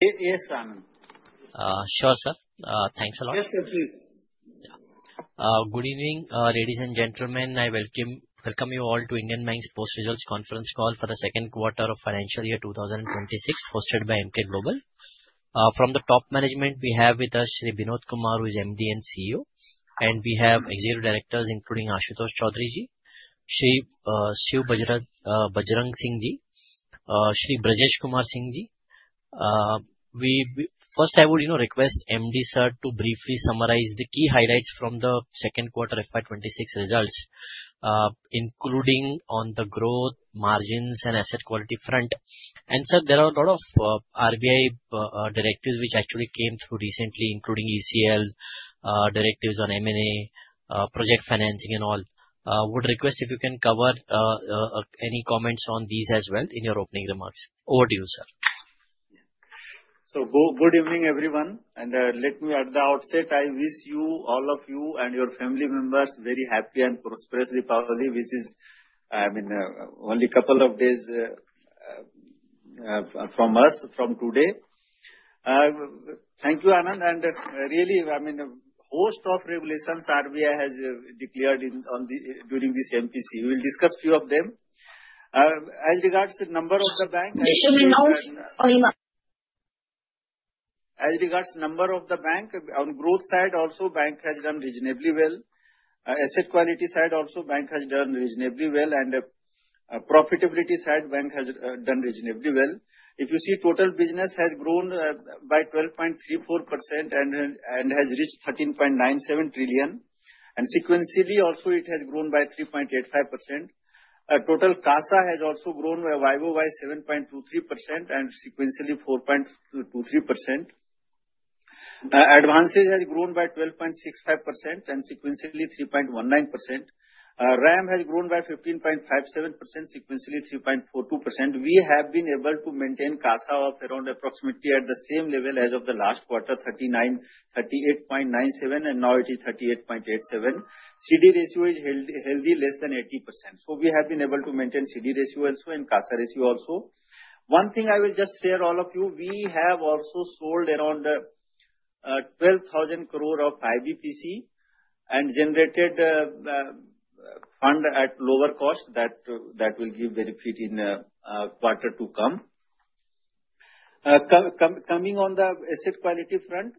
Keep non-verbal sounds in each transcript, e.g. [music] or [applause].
Yes, yes, Sunny. Sure, sir. Thanks a lot. Yes, sir. Please. Good evening, ladies and gentlemen. I welcome you all to Indian Bank's Post Results Conference call for the second quarter of financial year 2026, hosted by Emkay Global. From the top management, we have with us Shri Binod Kumar, who is MD and CEO, and we have executive directors including Ashutosh Choudhury, Shri Shiv Bajrang Singh, Shri Brajesh Kumar Singh. First, I would request MD sir to briefly summarize the key highlights from the second quarter FY26 results, including on the growth, margins, and asset quality front. And sir, there are a lot of RBI directives which actually came through recently, including ECL directives on M&A, project financing, and all. I would request if you can cover any comments on these as well in your opening remarks. Over to you, sir. Good evening, everyone. And let me at the outset, I wish you, all of you, and your family members very happy and prosperous Deepavali, which is, I mean, only a couple of days from us, from today. Thank you, Anand. And really, I mean, a host of regulations RBI has declared during this MPC. We will discuss a few of them. As regards to the number of the bank. Mission announced. As regards to the number of the bank, on growth side, also, the bank has done reasonably well. Asset quality side, also, the bank has done reasonably well. And profitability side, the bank has done reasonably well. If you see, total business has grown by 12.34% and has reached 13.97 trillion. And sequentially, also, it has grown by 3.85%. Total CASA has also grown by 7.23% and sequentially 4.23%. Advances have grown by 12.65% and sequentially 3.19%. RAM has grown by 15.57%, sequentially 3.42%. We have been able to maintain CASA of around approximately at the same level as of the last quarter, 38.97%, and now it is 38.87%. CD ratio is healthy, less than 80%. So we have been able to maintain CD ratio also and CASA ratio also. One thing I will just share all of you, we have also sold around 12,000 crore of IBPC and generated fund at lower cost that will give benefit in quarter to come. Coming on the asset quality front,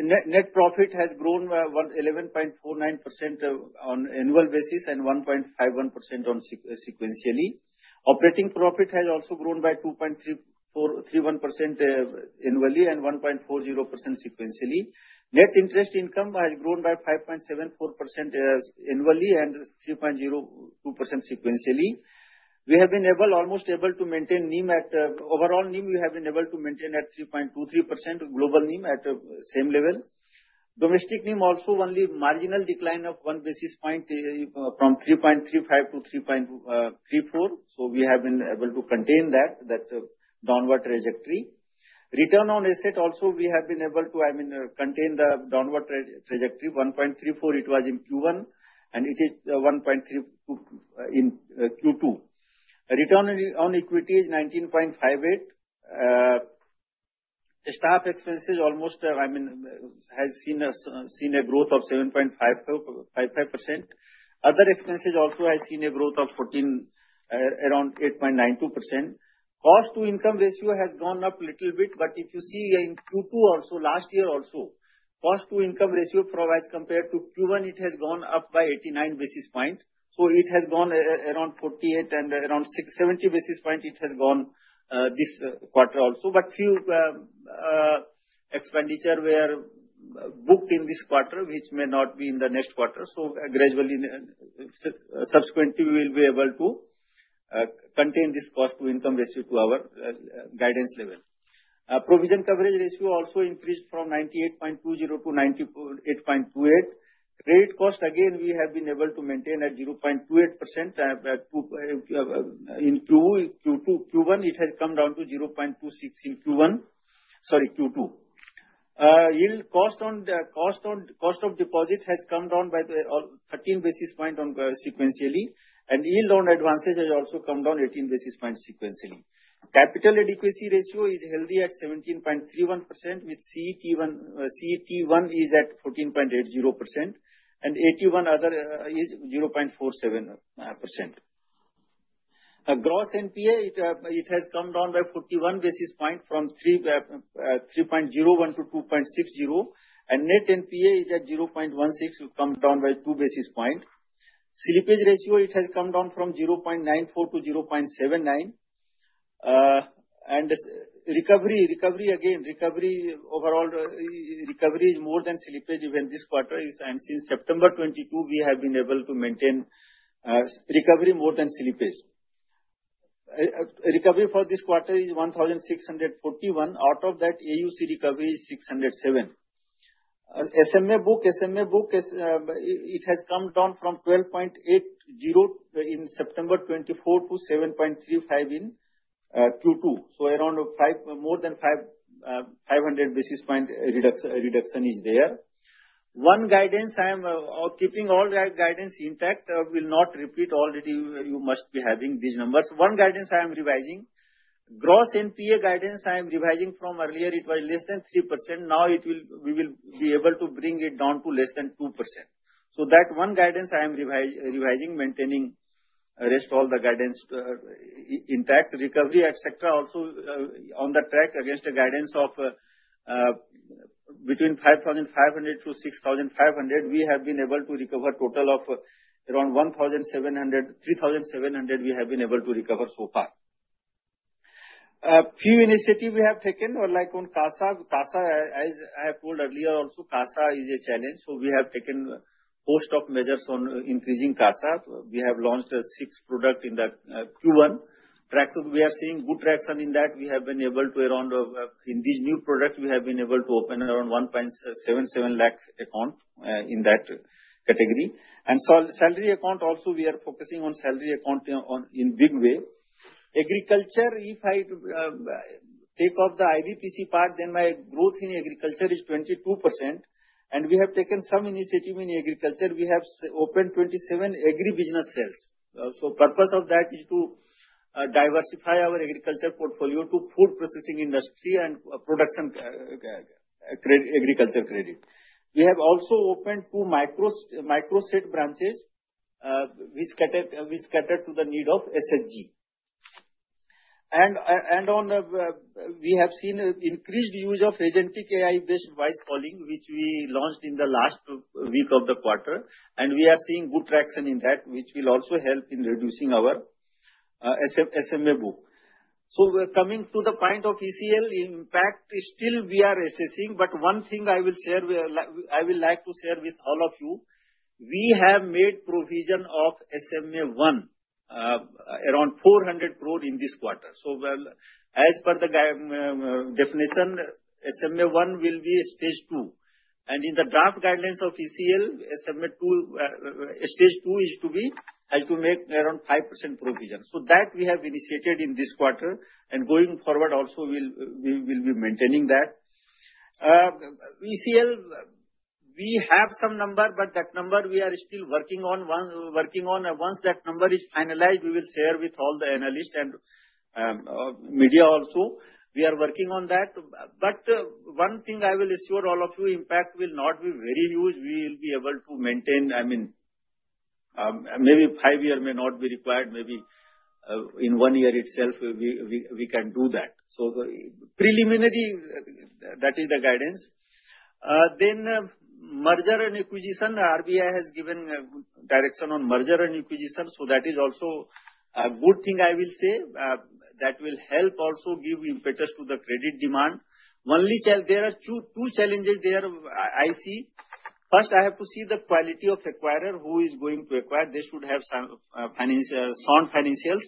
net profit has grown 11.49% on annual basis and 1.51% sequentially. Operating profit has also grown by 2.31% annually and 1.40% sequentially. Net interest income has grown by 5.74% annually and 3.02% sequentially. We have been almost able to maintain overall NIM, we have been able to maintain at 3.23%, global NIM at the same level. Domestic NIM also, only marginal decline of one basis points from 3.35-3.34, so we have been able to contain that downward trajectory. Return on asset also, we have been able to, I mean, contain the downward trajectory. 1.34, it was in Q1, and it is 1.32 in Q2. Return on Equity is 19.58. Staff expenses almost, I mean, have seen a growth of 7.55%. Other expenses also have seen a growth of around 8.92%. Cost-to-income ratio has gone up a little bit, but if you see in Q2 also, last year also, cost-to-income ratio as compared to Q1, it has gone up by 89 basis points. So it has gone around 48 and around 70 basis points it has gone this quarter also. But few expenditure were booked in this quarter, which may not be in the next quarter. So gradually, subsequently, we will be able to contain this cost-to-income ratio to our guidance level. Provision coverage ratio also increased from 98.20-98.28. Credit cost, again, we have been able to maintain at 0.28%. In Q1, it has come down to 0.26% in Q1, sorry, Q2. Cost of deposit has come down by 13 basis points sequentially. And yield on advances has also come down 18 basis points sequentially. Capital adequacy ratio is healthy at 17.31%, with CET1 is at 14.80%, and AT1 other is 0.47%. Gross NPA, it has come down by 41 basis points from 3.01%-2.60%, and net NPA is at 0.16%, come down by 2 basis points. Slippage ratio, it has come down from 0.94%-0.79%. And recovery, recovery again, overall recovery is more than slippage even this quarter. Since September 2022, we have been able to maintain recovery more than slippage. Recovery for this quarter is 1,641. Out of that, AUC recovery is 607. SMA book, it has come down from 12.80% in September 2024 to 7.35% in Q2. So around more than 500 basis points reduction is there. One guidance, I am keeping all guidance intact. I will not repeat all that. You must be having these numbers. One guidance I am revising. Gross NPA guidance I am revising from earlier, it was less than 3%. Now we will be able to bring it down to less than 2%, so that one guidance I am revising, maintaining rest all the guidance intact. Recovery, et cetera, also on track against a guidance of between 5,500-6,500, we have been able to recover total of around 3,700 so far. Few initiatives we have taken on CASA. CASA, as I have told earlier, also CASA is a challenge, so we have taken a host of measures on increasing CASA. We have launched six products in Q1. We are seeing good traction in that. We have been able to, around in these new products, we have been able to open around 1.77 lakh account in that category. And salary account also, we are focusing on salary account in a big way. Agriculture, if I take off the IBPC part, then my growth in agriculture is 22%. And we have taken some initiative in agriculture. We have opened 27 agribusinesses. So the purpose of that is to diversify our agriculture portfolio to food processing industry and production agriculture credit. We have also opened two microsite branches which cater to the need of SHG. And we have seen increased use of agentic AI-based voice calling, which we launched in the last week of the quarter. And we are seeing good traction in that, which will also help in reducing our SMA book. So coming to the point of ECL impact, still we are assessing. But one thing I will share, I will like to share with all of you, we have made provision of SMA-1, around 400 crore in this quarter. So as per the definition, SMA-1 will be Stage 2. And in the draft guidelines of ECL, SMA-2, Stage 2 is to be has to make around 5% provision. So that we have initiated in this quarter. And going forward, also, we will be maintaining that. ECL, we have some number, but that number we are still working on. Once that number is finalized, we will share with all the analysts and media also. We are working on that. But one thing I will assure all of you, impact will not be very huge. We will be able to maintain, I mean, maybe five years may not be required. Maybe in one year itself, we can do that. So, preliminary, that is the guidance. Then, merger and acquisition, RBI has given direction on merger and acquisition. So, that is also a good thing, I will say. That will help also give impetus to the credit demand. Only, there are two challenges there I see. First, I have to see the quality of acquirer who is going to acquire. They should have sound financials.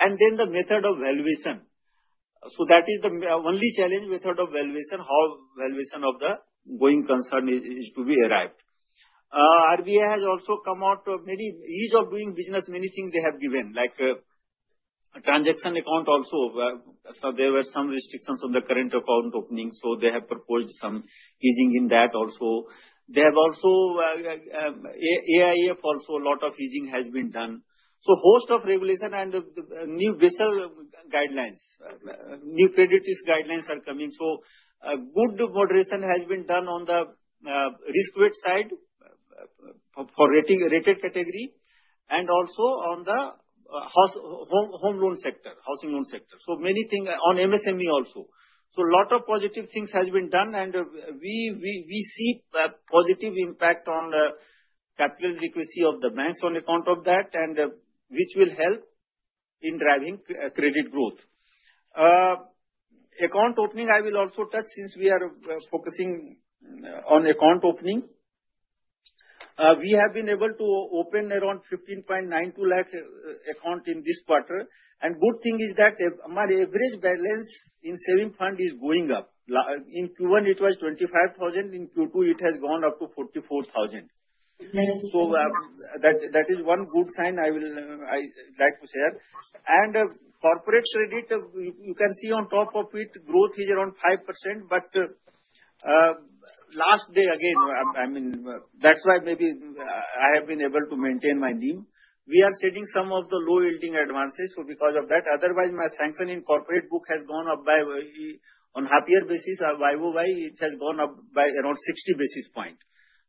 And then the method of valuation. So, that is the only challenge, method of valuation, how valuation of the going concern is to be arrived. RBI has also come out, many ease of doing business, many things they have given, like transaction account also. So, there were some restrictions on the current account opening. So, they have proposed some easing in that also. They have also AIF, also a lot of easing has been done. So host of regulation and new Basel guidelines, new credit guidelines are coming. So good moderation has been done on the risk weights side for rated category and also on the home loan sector, housing loan sector. So many things on MSME also. So a lot of positive things have been done. And we see positive impact on capital adequacy of the banks on account of that, and which will help in driving credit growth. Account opening, I will also touch since we are focusing on account opening. We have been able to open around 15.92 lakh account in this quarter. And good thing is that my average balance in saving fund is going up. In Q1, it was 25,000. In Q2, it has gone up to 44,000. So that is one good sign I will like to share. And corporate credit, you can see on top of it, growth is around 5%. But last quarter, again, I mean, that's why maybe I have been able to maintain my NIM. We are shedding some of the low-yielding advances. So because of that, otherwise, my sanction in corporate book has gone up by, on YoY basis. YoY it has gone up by around 60 basis points.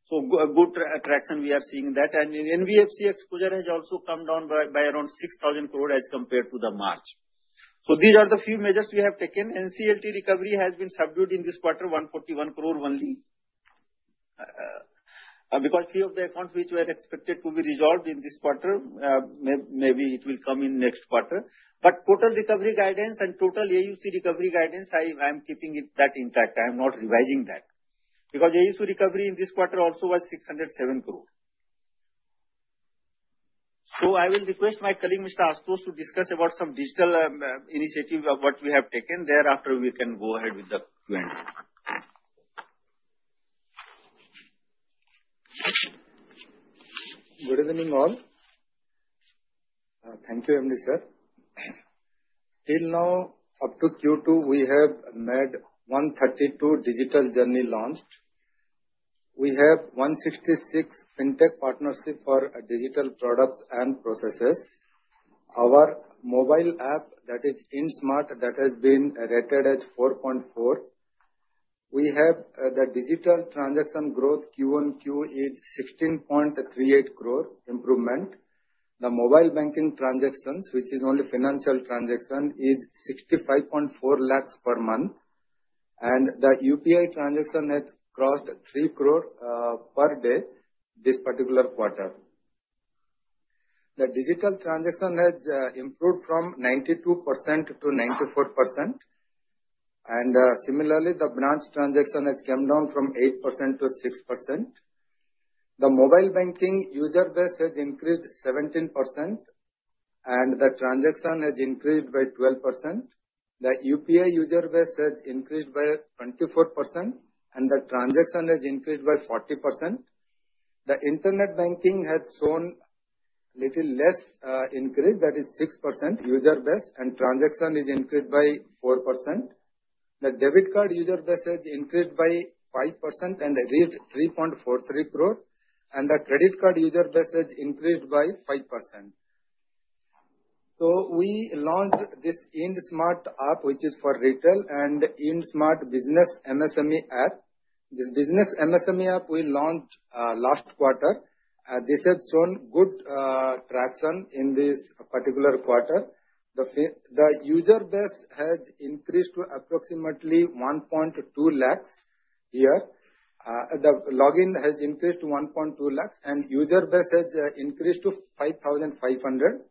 So good traction we are seeing that. And NBFC exposure has also come down by around 6,000 crore as compared to the March. So these are the few measures we have taken. NCLT recovery has been subdued in this quarter, 141 crore only. Because few of the accounts which were expected to be resolved in this quarter, maybe it will come in next quarter. But total recovery guidance and total AUC recovery guidance, I am keeping that intact. I am not revising that. Because AUC recovery in this quarter also was 607 crore. So I will request my colleague, Mr. Ashutosh, to discuss about some digital initiative of what we have taken there. After we can go ahead with the Q&A. Good evening all. Thank you, MD sir. Till now, up to Q2, we have made 132 digital journey launched. We have 166 fintech partnership for digital products and processes. Our mobile app that is IndSMART that has been rated at 4.4. We have the digital transaction growth QoQ is 16.38 crore improvement. The mobile banking transactions, which is only financial transaction, is 65.4 lakhs per month, and the UPI transaction has crossed 3 crore per day this particular quarter. The digital transaction has improved from 92%-94%, and similarly, the branch transaction has come down from 8%-6%. The mobile banking user base has increased 17%, and the transaction has increased by 12%. The UPI user base has increased by 24%, and the transaction has increased by 40%. The internet banking has shown a little less increase. That is 6% user base, and transaction is increased by 4%. The debit card user base has increased by 5% and reached 3.43 crore. And the credit card user base has increased by 5%. So we launched this IndSMART App, which is for retail and IndSMART Business MSME App. This Business MSME App we launched last quarter. This has shown good traction in this particular quarter. The user base has increased to approximately 1.2 lakhs here. The login has increased to 1.2 lakhs, and user base has increased to 5,500.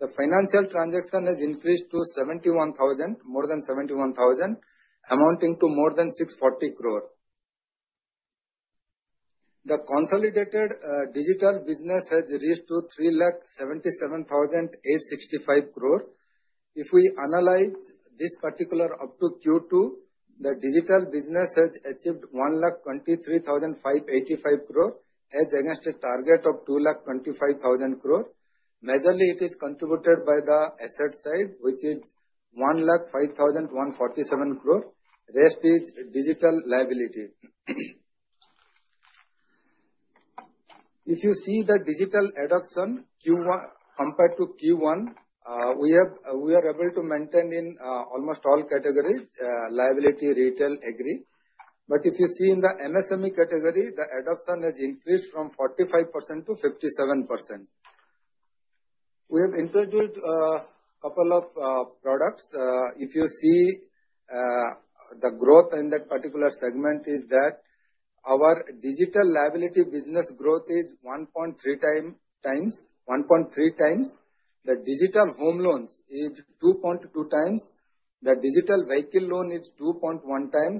The financial transaction has increased to 71,000, more than 71,000, amounting to more than 640 crore. The consolidated digital business has reached to 377,865 crore. If we analyze this particular up to Q2, the digital business has achieved 123,585 crore as against a target of 225,000 crore. Majorly, it is contributed by the asset side, which is 105,147 crore. Rest is digital liability. If you see the digital adoption compared to Q1, we are able to maintain in almost all categories: liability, retail, agri, but if you see in the MSME category, the adoption has increased from 45%-57%. We have introduced a couple of products. If you see the growth in that particular segment, is that our digital liability business growth is 1.3x, 1.3x. The digital home loans is 2.2x. The digital vehicle loan is 2.1x.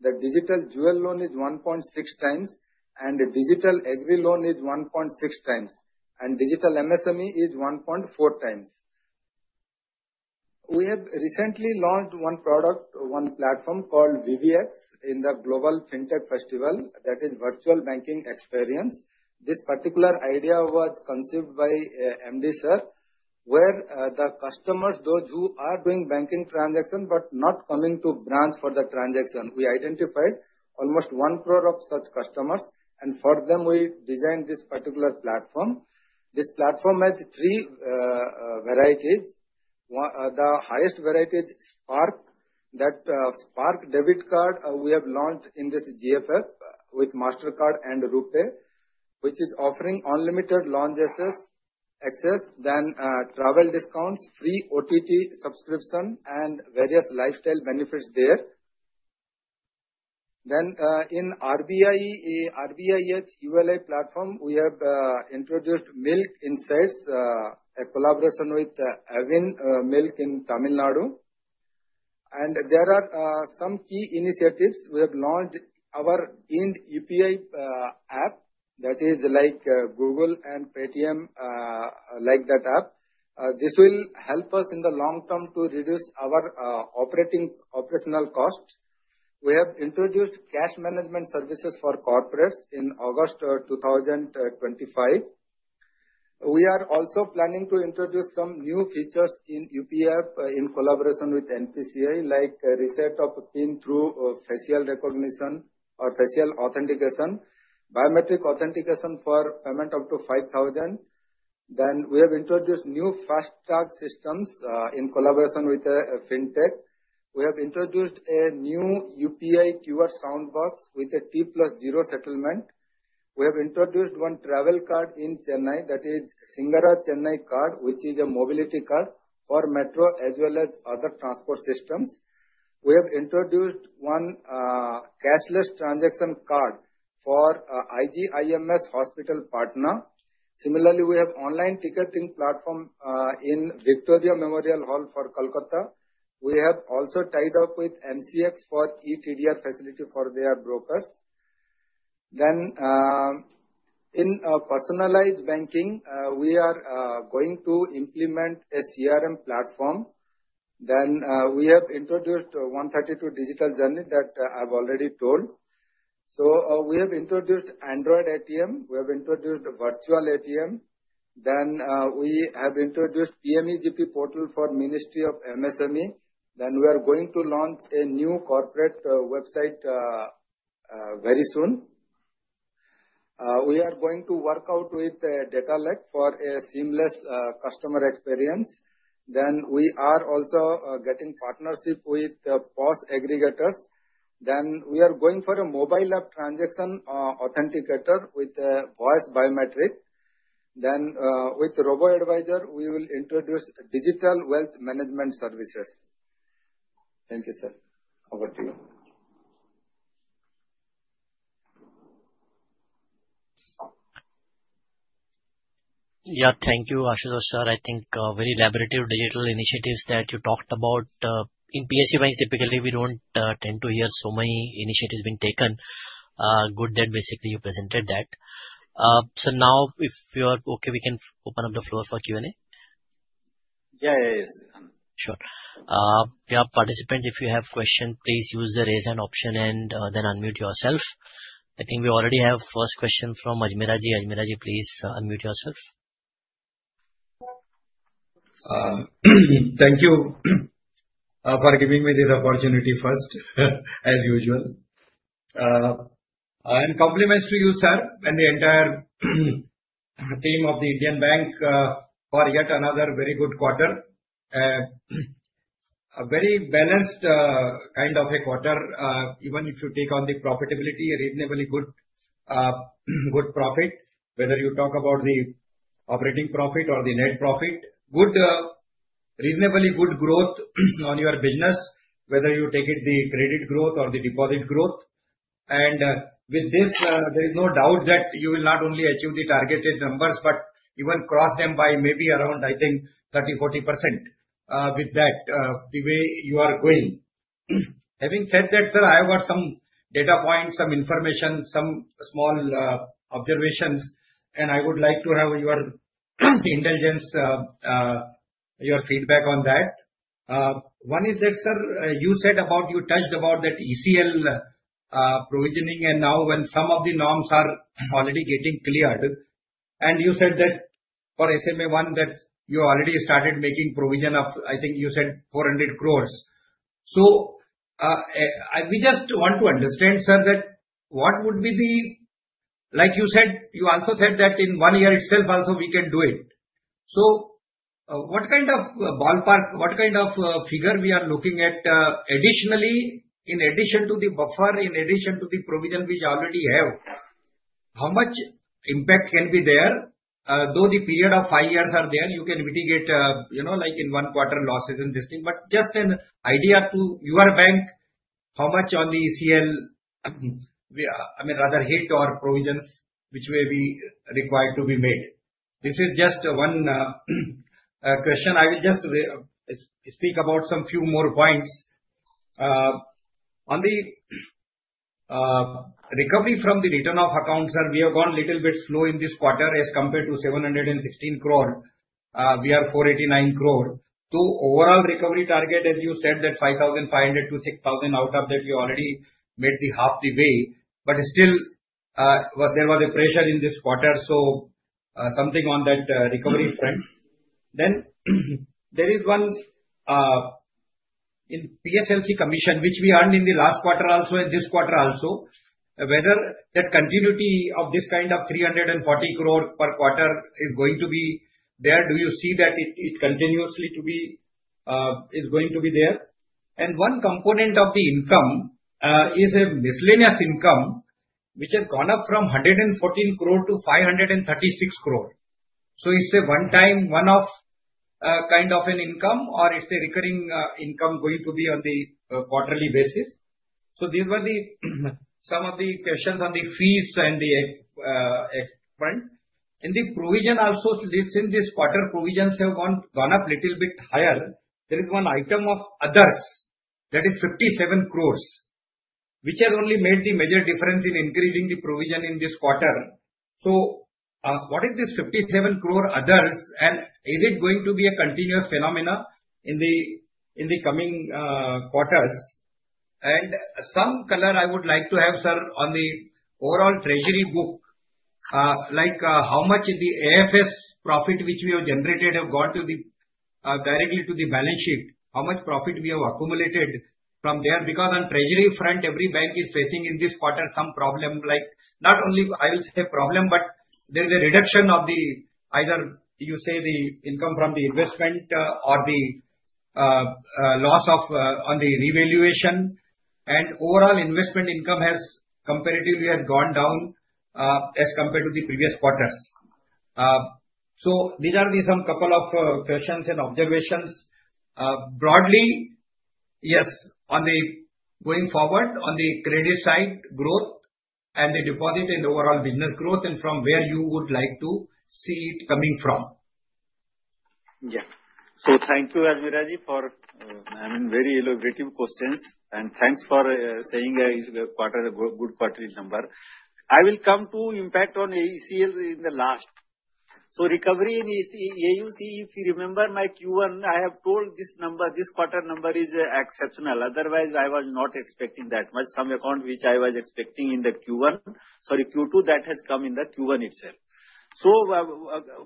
The digital jewel loan is 1.6x, and digital agri loan is 1.6x, and digital MSME is 1.4x. We have recently launched one product, one platform called VBX in the Global FinTech Festival. That is virtual banking experience. This particular idea was conceived by MD sir, where the customers, those who are doing banking transaction but not coming to branch for the transaction, we identified almost 1 crore of such customers. And for them, we designed this particular platform. This platform has three varieties. The highest variety is Spark. That Spark debit card, we have launched in this VBX with Mastercard and RuPay, which is offering unlimited lounge access, then travel discounts, free OTT subscription, and various lifestyle benefits there. Then in RBIH ULI platform, we have introduced Milk Insights, a collaboration with Aavin Milk in Tamil Nadu. And there are some key initiatives we have launched. Our UPI app, that is like Google and Paytm, like that app. This will help us in the long term to reduce our operational costs. We have introduced cash management services for corporates in August 2025. We are also planning to introduce some new features in UPI in collaboration with NPCI, like reset of PIN through facial recognition or facial authentication, biometric authentication for payment up to 5,000. Then we have introduced new FASTag in collaboration with fintech. We have introduced a new UPI QR Soundbox with a T+0 settlement. We have introduced one travel card in Chennai. That is Singara Chennai Card, which is a mobility card for metro as well as other transport systems. We have introduced one cashless transaction card for IGIMS Hospital partner. Similarly, we have online ticketing platform in Victoria Memorial Hall for Kolkata. We have also tied up with MCX for e-TDR facility for their brokers. Then in personalized banking, we are going to implement a CRM platform. Then we have introduced 132 digital journey that I've already told. So we have introduced Android ATM. We have introduced Virtual ATM. Then we have introduced PMEGP Portal for Ministry of MSME. Then we are going to launch a new corporate website very soon. We are going to work out with Data Lake for a seamless customer experience. Then we are also getting partnership with POS Aggregators. Then we are going for a mobile app transaction authenticator with voice biometric. Then with Robo-Advisor, we will introduce digital wealth management services. Thank you, sir. Over to you. Yeah, thank you, Ashutosh sir. I think very elaborative digital initiatives that you talked about. In PSUs, typically, we don't tend to hear so many initiatives being taken. Good that basically you presented that. So now, if you're okay, we can open up the floor for Q&A. Yeah, yeah, yes. Sure. Yeah, participants, if you have questions, please use the raise hand option and then unmute yourself. I think we already have first question from Ajmera Ji. Ajmera Ji, please unmute yourself. Thank you for giving me this opportunity first, as usual, and compliments to you, sir, and the entire team of the Indian Bank for yet another very good quarter. A very balanced kind of a quarter, even if you take on the profitability, a reasonably good profit, whether you talk about the operating profit or the net profit. Good, reasonably good growth on your business, whether you take it the credit growth or the deposit growth, and with this, there is no doubt that you will not only achieve the targeted numbers, but even cross them by maybe around, I think, 30%-40% with that, the way you are going. Having said that, sir, I have got some data points, some information, some small observations, and I would like to have your intelligence, your feedback on that. One is that, sir, you said about you touched about that ECL provisioning, and now when some of the norms are already getting cleared, and you said that for SMA-1, that you already started making provision of, I think you said, 400 crores. So we just want to understand, sir, that what would be the, like you said, you also said that in one year itself, also we can do it. So what kind of ballpark, what kind of figure we are looking at additionally, in addition to the buffer, in addition to the provision which you already have, how much impact can be there? Though the period of five years are there, you can mitigate, you know, like in one quarter losses and this thing. But just an idea to your bank: how much on the ECL? I mean, rather hit or provisions which may be required to be made. This is just one question. I will just speak about some few more points. On the recovery from the written-off accounts, sir, we have gone a little bit slow in this quarter as compared to 716 crore. We are 489 crore. To overall recovery target, as you said, that 5,500-6,000 out of that, you already made half the way. But still, there was a pressure in this quarter. So something on that recovery front. Then there is one in PSLC commission, which we earned in the last quarter also, in this quarter also. Whether that continuity of this kind of 340 crore per quarter is going to be there? Do you see that it continuously to be is going to be there? One component of the income is a miscellaneous income, which has gone up from 114 crore to 536 crore. Is it one time, one of kind of an income, or is it recurring income going to be on the quarterly basis? These were some of the questions on the fees and the front. In the provision also, since this quarter provisions have gone up a little bit higher, there is one item of others that is 57 crores, which has only made the major difference in increasing the provision in this quarter. What is this 57 crore others, and is it going to be a continuous phenomenon in the coming quarters? And some color I would like to have, sir, on the overall treasury book, like how much the AFS profit which we have generated have gone directly to the balance sheet, how much profit we have accumulated from there? Because on treasury front, every bank is facing in this quarter some problem, like not only I will say problem, but there is a reduction of the either you say the income from the investment or the loss of on the revaluation. And overall investment income has comparatively gone down as compared to the previous quarters. So these are the some couple of questions and observations. Broadly, yes, on the going forward, on the credit side growth and the deposit and overall business growth, and from where you would like to see it coming from. Yeah. So thank you, Ajmera Ji, for, I mean, very elaborate questions. And thanks for saying a quarter, a good quarterly number. I will come to impact on ECL in the last. So recovery in AUC, if you remember my Q1, I have told this number, this quarter number is exceptional. Otherwise, I was not expecting that much. Some account which I was expecting in the Q1, sorry, Q2, that has come in the Q1 itself. So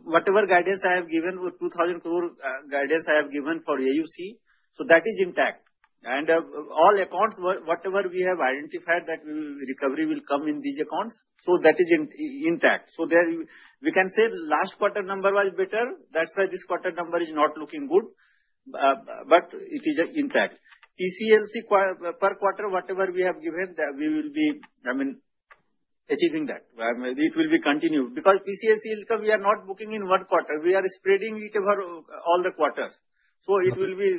whatever guidance I have given, 2,000 crore guidance I have given for AUC, so that is intact. And all accounts, whatever we have identified that recovery will come in these accounts, so that is intact. So we can say last quarter number was better. That's why this quarter number is not looking good. But it is intact. PSLC per quarter, whatever we have given, we will be, I mean, achieving that. It will be continued. Because PSLC income, we are not booking in one quarter. We are spreading it over all the quarters. So it will be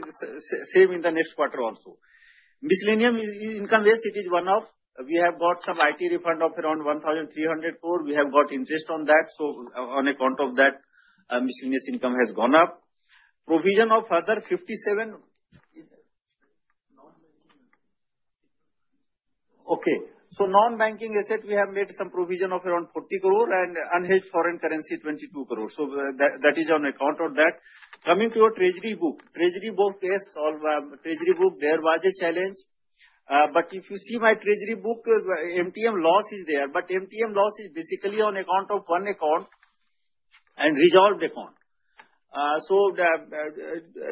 same in the next quarter also. Miscellaneous income is, it is one of, we have got some IT refund of around 1,300 crore. We have got interest on that. So on account of that, miscellaneous income has gone up. Provision of other 57. Okay. So non-banking asset, we have made some provision of around 40 crore and unhedged foreign currency 22 crore. So that is on account of that. Coming to your treasury book, treasury book, yes, all treasury book, there was a challenge. But if you see my treasury book, MTM loss is there. But MTM loss is basically on account of one account and resolved account. So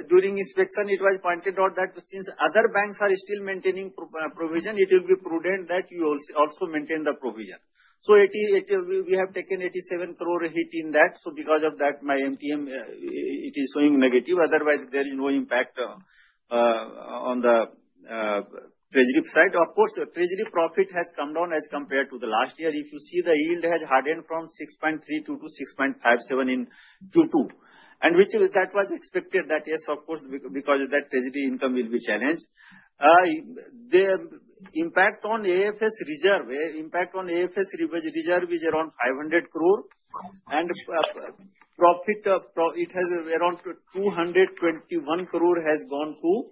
during inspection, it was pointed out that since other banks are still maintaining provision, it will be prudent that you also maintain the provision. So we have taken 87 crore hit in that. So because of that, my MTM, it is showing negative. Otherwise, there is no impact on the treasury side. Of course, treasury profit has come down as compared to the last year. If you see the yield has hardened from 6.32-6.57 in Q2. And which that was expected that, yes, of course, because of that treasury income will be challenged. The impact on AFS reserve, impact on AFS reserve is around 500 crore. And profit, it has around 221 crore has gone to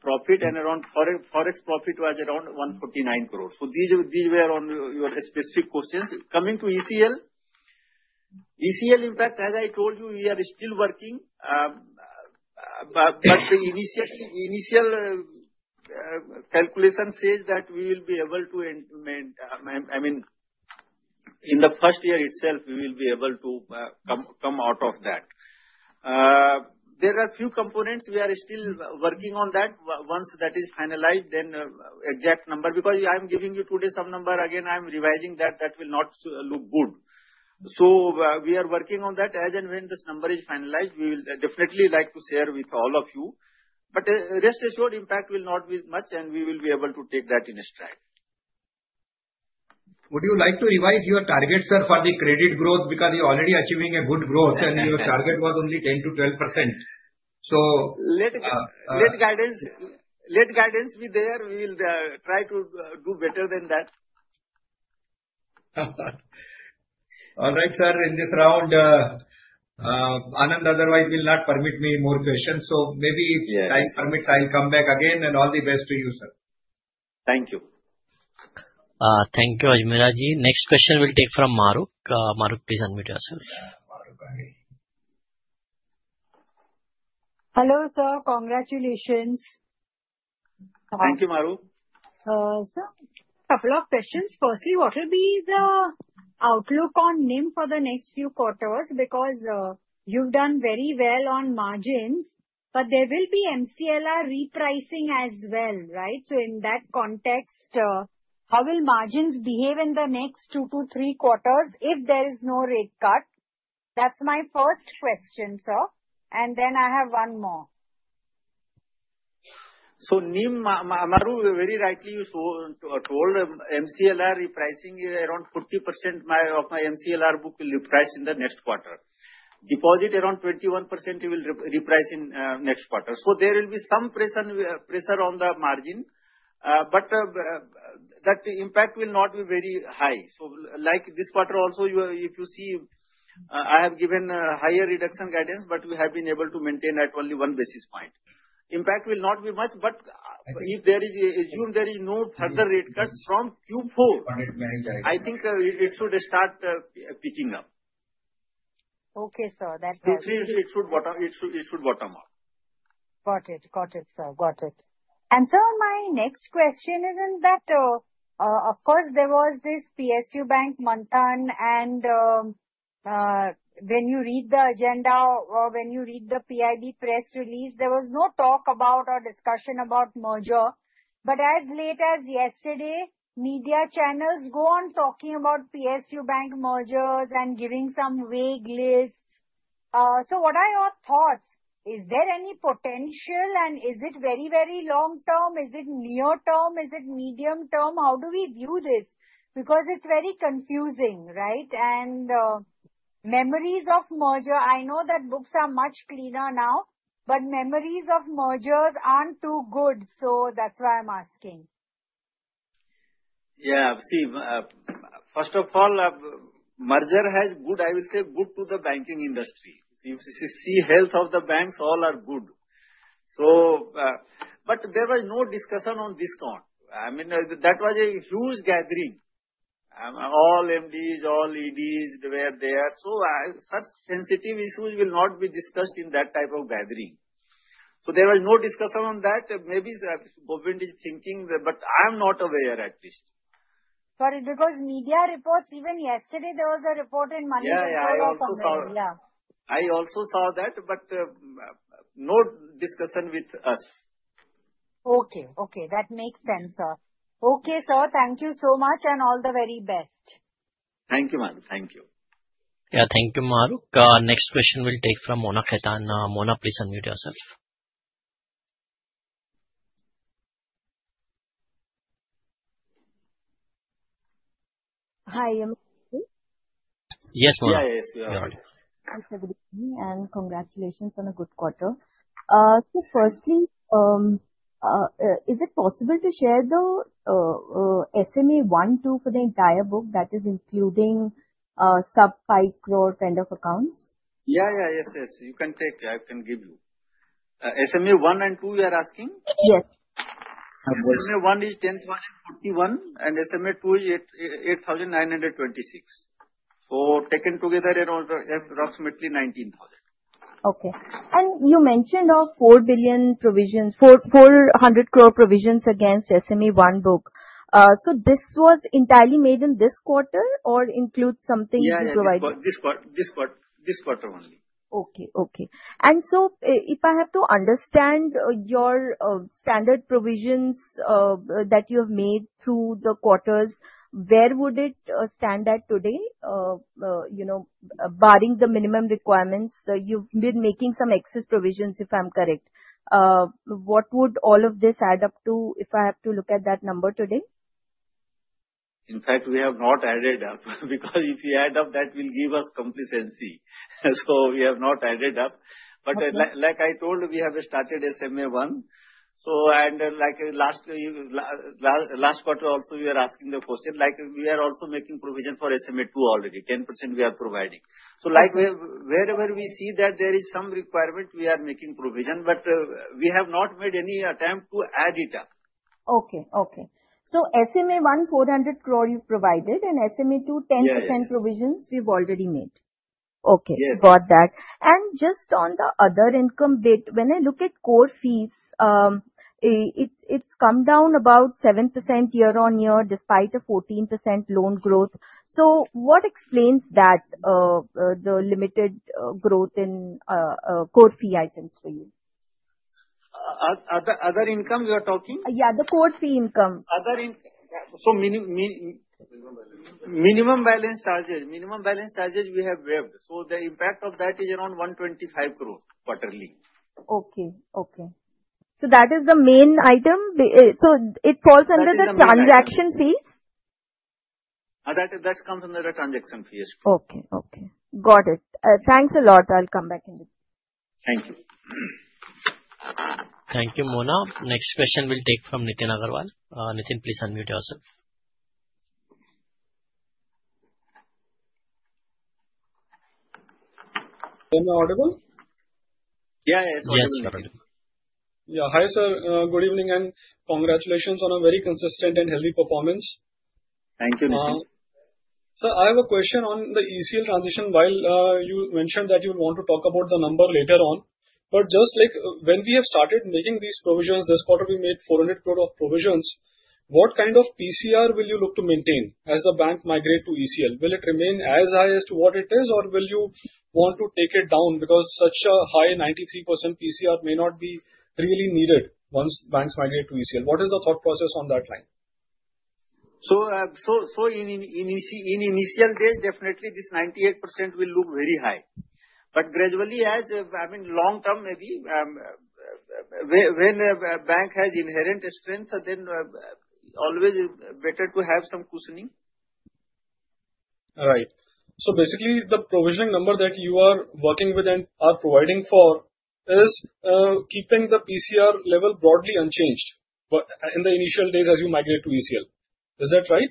profit and around forex profit was around 149 crore. So these were on your specific questions. Coming to ECL, ECL impact, as I told you, we are still working. But the initial calculation says that we will be able to, I mean, in the first year itself, we will be able to come out of that. There are a few components. We are still working on that. Once that is finalized, then exact number, because I'm giving you today some number, again, I'm revising that, that will not look good. So we are working on that. As and when this number is finalized, we will definitely like to share with all of you. But rest assured, impact will not be much, and we will be able to take that in a stride. Would you like to revise your target, sir, for the credit growth? Because you're already achieving a good growth, and your target was only 10%-12%. So. Let guidance be there. We will try to do better than that. All right, sir. In this round, Anand, otherwise, will not permit me more questions. So maybe if time permits, I'll come back again, and all the best to you, sir. Thank you. Thank you, Ajmera Ji. Next question will take from Mahrukh. Mahrukh, please unmute yourself. Hello, sir. Congratulations. Thank you, Mahrukh. Sir, a couple of questions. Firstly, what will be the outlook on NIM for the next few quarters? Because you've done very well on margins, but there will be MCLR repricing as well, right? So in that context, how will margins behave in the next two to three quarters if there is no rate cut? That's my first question, sir. And then I have one more. So, NIM, Mahrukh, very rightly you told MCLR repricing around 40% of my MCLR book will reprice in the next quarter. Deposit around 21% will reprice in next quarter. So there will be some pressure on the margin. But that impact will not be very high. So like this quarter also, if you see, I have given a higher reduction guidance, but we have been able to maintain at only one basis point. Impact will not be much, but if there is, assume there is no further rate cut from Q4. I think it should start picking up. Okay, sir. That was. Q3, it should bottom up. Got it. Got it, sir. Got it. And sir, my next question is, in that, of course, there was this PSU Bank Manthan, and when you read the agenda or when you read the PIB press release, there was no talk about or discussion about merger. But as late as yesterday, media channels go on talking about PSU Bank mergers and giving some vague lists. So what are your thoughts? Is there any potential, and is it very, very long-term? Is it near-term? Is it medium-term? How do we view this? Because it's very confusing, right? And memories of merger, I know that books are much cleaner now, but memories of mergers aren't too good. So that's why I'm asking. Yeah. See, first of all, merger has good, I will say, good to the banking industry. If you see health of the banks, all are good. But there was no discussion on discount. I mean, that was a huge gathering. All MDs, all EDs were there. So such sensitive issues will not be discussed in that type of gathering. So there was no discussion on that. Maybe Govind is thinking, but I'm not aware at least. Sorry, because media reports, even yesterday, there was a report in [audio distortion] about the merger. Yeah, I also saw that. I also saw that, but no discussion with us. Okay. Okay. That makes sense, sir. Okay, sir. Thank you so much, and all the very best. Thank you, ma'am. Thank you. Yeah, thank you, Mahrukh. Next question will take from Mona Khetan. Mona, please unmute yourself. Hi, Amir. Yes, Mona. Yes, we are all. Congratulations on a good quarter. Firstly, is it possible to share the SMA-1, 2 for the entire book that is including sub-5 crore kind of accounts? Yeah, yeah, yes, yes. You can take. I can give you. SMA-1 and 2, you are asking? Yes. Yes. SMA-1 is 10,041, and SMA-2 is 8,926. So taken together, it's approximately 19,000. Okay. And you mentioned of 4 billion provisions, 400 crore provisions against SMA-1 book. So this was entirely made in this quarter or include something you provided? Yes, this quarter only. Okay. Okay, and so if I have to understand your standard provisions that you have made through the quarters, where would it stand at today, barring the minimum requirements? You've been making some excess provisions, if I'm correct. What would all of this add up to if I have to look at that number today? In fact, we have not added up because if you add up, that will give us complacency. So we have not added up. But like I told, we have started SMA-1. So and like last quarter also, you are asking the question, like we are also making provision for SMA-2 already, 10% we are providing. So wherever we see that there is some requirement, we are making provision, but we have not made any attempt to add it up. Okay. Okay. So SMA-1, 400 crore you provided, and SMA-2, 10% provisions we've already made. Okay. Got that. And just on the other income bit, when I look at core fees, it's come down about 7% year on year despite a 14% loan growth. So what explains that, the limited growth in core fee items for you? Other income you are talking? Yeah, the core fee income. Minimum balance charges, minimum balance charges we have waived. The impact of that is around 125 crore quarterly. Okay. Okay, so that is the main item, so it falls under the transaction fees? That comes under the transaction fees, true. Okay. Okay. Got it. Thanks a lot. I'll come back in. Thank you. Thank you, Mona. Next question will take from Nitin Aggarwal. Nitin, please unmute yourself. Am I audible? Yeah, yes. Yes, sir. Yeah. Hi, sir. Good evening and congratulations on a very consistent and healthy performance. Thank you, Nitin. Sir, I have a question on the ECL transition while you mentioned that you would want to talk about the number later on. But just like when we have started making these provisions, this quarter we made 400 crore of provisions. What kind of PCR will you look to maintain as the bank migrate to ECL? Will it remain as high as to what it is, or will you want to take it down? Because such a high 93% PCR may not be really needed once banks migrate to ECL. What is the thought process on that line? So in initial days, definitely this 98% will look very high. But gradually, as I mean, long-term maybe, when a bank has inherent strength, then always better to have some cushioning. Right. So basically, the provisioning number that you are working with and are providing for is keeping the PCR level broadly unchanged in the initial days as you migrate to ECL. Is that right?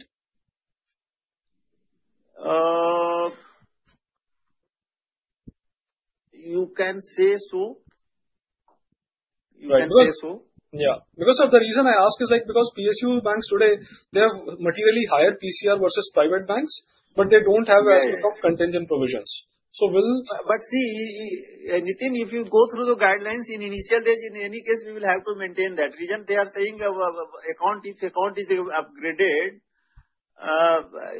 You can say so. You can say so. Yeah. Because of the reason I ask is like because PSU banks today, they have materially higher PCR versus private banks, but they don't have as much of contingent provisions. So will. But see, Nitin, if you go through the guidelines in initial days, in any case, we will have to maintain that. Reason they are saying account, if account is upgraded,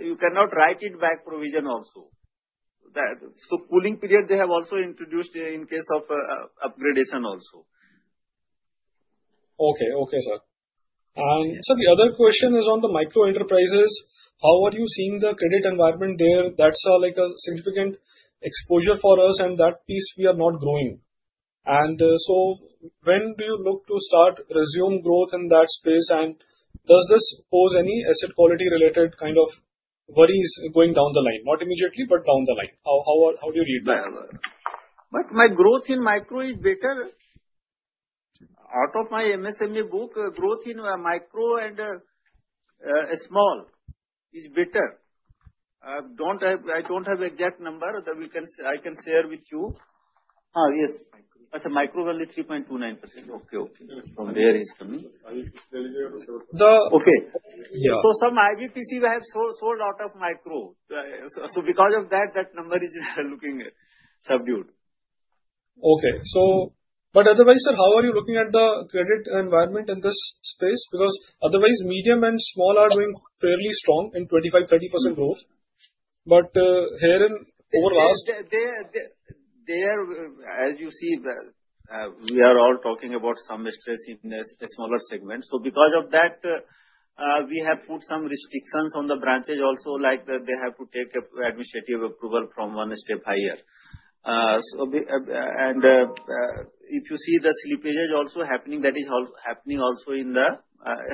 you cannot write it back provision also. So cooling period, they have also introduced in case of upgradation also. Okay. Okay, sir. And so the other question is on the micro enterprises. How are you seeing the credit environment there? That's like a significant exposure for us, and that piece we are not growing. And so when do you look to start resume growth in that space? And does this pose any asset quality related kind of worries going down the line? Not immediately, but down the line. How do you read that? My growth in micro is better. Out of my MSME book, growth in micro and small is better. I don't have exact number that I can share with you. Yes. Micro, so micro value 3.29%. Okay. From where is coming? The. Okay, so some IBPC have sold out of micro, so because of that, that number is looking subdued. Okay. But otherwise, sir, how are you looking at the credit environment in this space? Because otherwise, medium and small are doing fairly strong in 25%-30% growth. But here in overall. As you see, we are all talking about some stress in a smaller segment. So because of that, we have put some restrictions on the branches also, like they have to take administrative approval from one step higher. And if you see the slippages also happening, that is happening also in the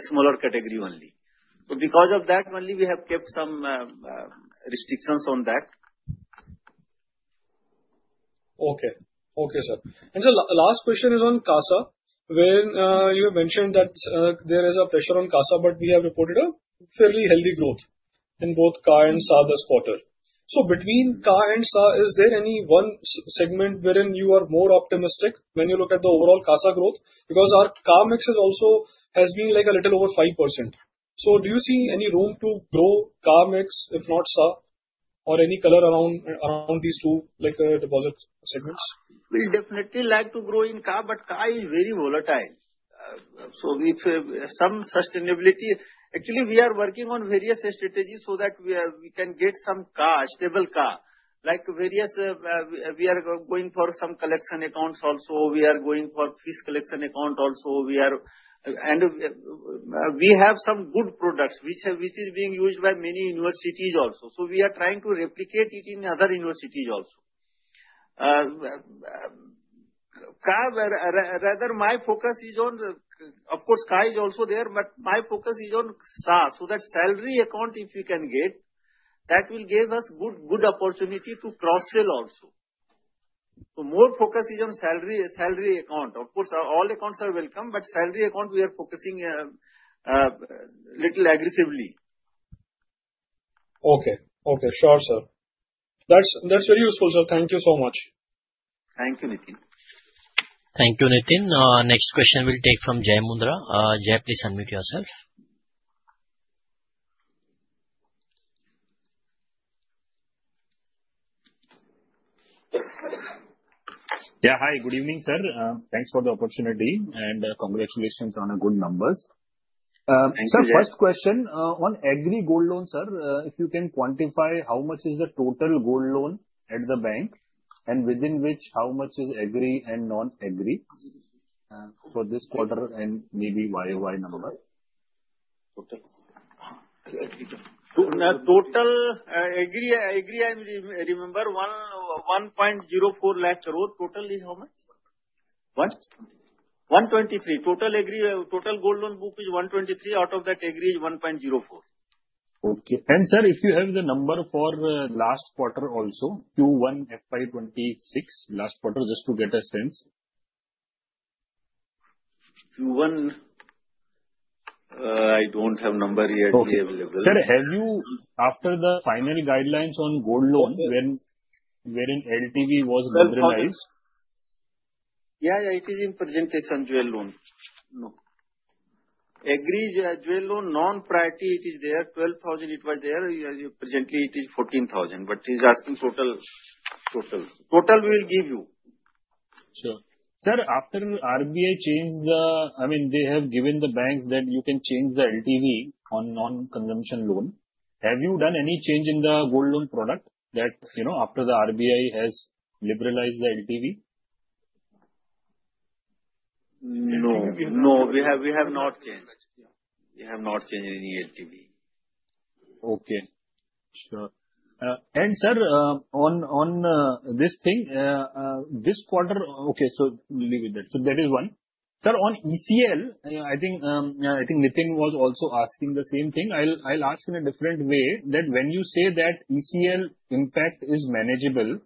smaller category only. So because of that, only we have kept some restrictions on that. Okay. Okay, sir. And so last question is on CASA. When you mentioned that there is a pressure on CASA, but we have reported a fairly healthy growth in both CA and SA this quarter. So between CA and SA, is there any one segment wherein you are more optimistic when you look at the overall CASA growth? Because our CA mix also has been like a little over 5%. So do you see any room to grow CA mix, if not SA, or any color around these two deposit segments? We definitely like to grow in CA, but CA is very volatile. So some sustainability. Actually, we are working on various strategies so that we can get some CA, stable CA. Like various, we are going for some collection accounts also. We are going for fees collection account also. And we have some good products, which is being used by many universities also. So we are trying to replicate it in other universities also. Rather, my focus is on, of course, CA is also there, but my focus is on SA. So that salary account, if we can get, that will give us good opportunity to cross-sell also. So more focus is on salary account. Of course, all accounts are welcome, but salary account we are focusing a little aggressively. Okay. Okay. Sure, sir. That's very useful, sir. Thank you so much. Thank you, Nitin. Thank you, Nitin. Next question will take from Jai Mundhra. Jai, please unmute yourself. Yeah, hi. Good evening, sir. Thanks for the opportunity and congratulations on the good numbers. Thank you, sir. Sir, first question on Agri Gold Loan, sir. If you can quantify how much is the total gold loan at the bank and within which how much is agri and non-agri for this quarter and maybe YoY number. Total agree, I remember 1.04 lakh crore. Total is how much? 1. Total agri, total gold loan book is 123. Out of that, agri is 1.04. Okay. And sir, if you have the number for last quarter also, Q1 FY26, last quarter, just to get a sense. Q1, I don't have number yet available. Sir, have you, after the final guidelines on gold loan, when LTV was generalized? Yeah, yeah. It is in presentation. Jewel Loan. No. Agree, Jewel Loan, non-priority, it is there 12,000. It was there. Presently, it is 14,000. But he's asking total. Total. Total we will give you. Sure. Sir, after RBI changed the, I mean, they have given the banks that you can change the LTV on non-consumption loan. Have you done any change in the gold loan product that after the RBI has liberalized the LTV? No. We have not changed. We have not changed any LTV. Okay. Sure. And sir, on this thing, this quarter, okay, so leave it there. So that is one. Sir, on ECL, I think Nitin was also asking the same thing. I'll ask in a different way that when you say that ECL impact is manageable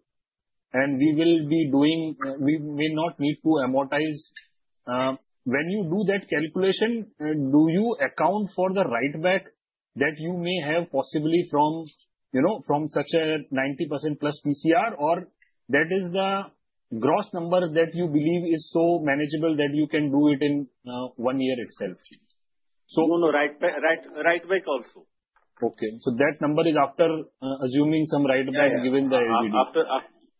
and we will be doing, we may not need to amortize, when you do that calculation, do you account for the write-back that you may have possibly from such a 90% plus PCR, or that is the gross number that you believe is so manageable that you can do it in one year itself? No, no, right back also. Okay, so that number is after assuming some write-back given the LTV.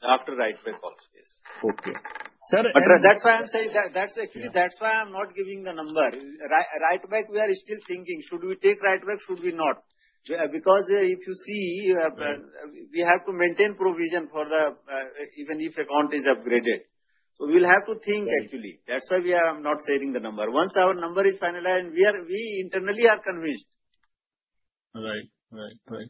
After write-back also, yes. Okay. Sir. That's why I'm saying. That's actually why I'm not giving the number. Write-back, we are still thinking, should we take write-back, should we not? Because if you see, we have to maintain provision for the ECL even if account is upgraded, so we'll have to think actually. That's why we are not sharing the number. Once our number is finalized, we internally are convinced. Right. Right. Right.